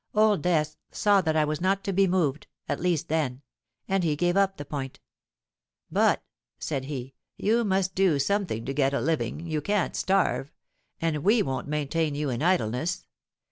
Old Death saw that I was not to be moved—at least then; and he gave up the point. 'But,' said he, 'you must do something to get a living: you can't starve; and we won't maintain you in idleness.